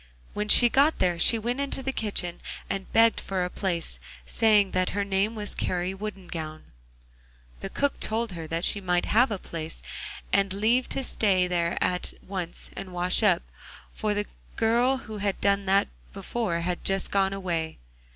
When she got there she went into the kitchen and begged for a place, saying that her name was Kari Woodengown. The cook told her that she might have a place and leave to stay there at once and wash up, for the girl who had done that before had just gone away.